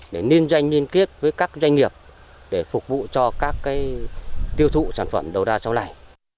để liên doanh liên kết với các doanh nghiệp để phục vụ cho các tiêu thụ sản phẩm đầu ra sau này